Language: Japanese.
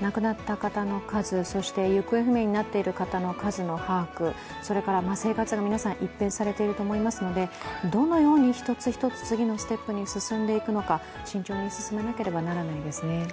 亡くなった方の数、そして行方不明者になっている方の数の把握、そして皆さん生活一変されているのでどのように一つ一つ次のステップに進んでいくのか、慎重に進めなければならないですね。